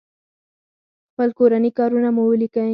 خپل کورني کارونه مو وليکئ!